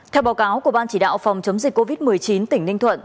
theo báo cáo của ban chỉ đạo phòng chống dịch covid một mươi chín tỉnh ninh thuận